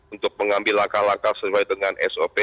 untuk mengambil langkah langkah sesuai dengan sop